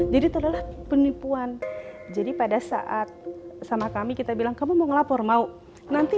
jadi terlalu penipuan jadi pada saat sama kami kita bilang kamu mau lapor mau nanti